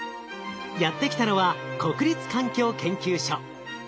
やって来たのは国立環境研究所。